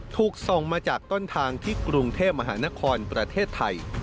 ถูกส่งมาจากต้นทางที่กรุงเทพมหานครประเทศไทย